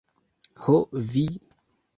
Ho, vi!